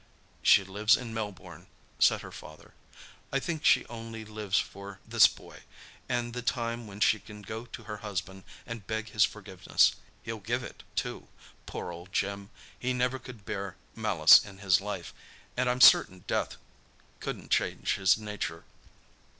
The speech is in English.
"She lives in Melbourne," said her father. "I think she only lives for this boy, and the time when she can go to her husband and beg his forgiveness. He'll give it, too—poor old Jim. He could never bear malice in his life, and I'm certain death couldn't change his nature.